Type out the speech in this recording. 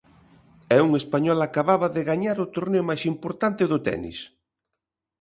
E un español acababa de gañar o torneo máis importante do tenis.